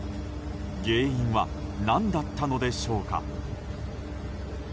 原因は何だったのでしょうか。